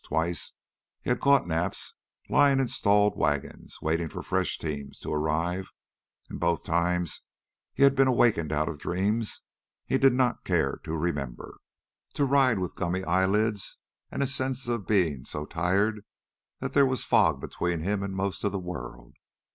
Twice he had caught naps lying in stalled wagons waiting for fresh teams to arrive, and both times he had been awakened out of dreams he did not care to remember, to ride with gummy eyelids and a sense of being so tired that there was a fog between him and most of the world.